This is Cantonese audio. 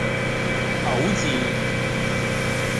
牛治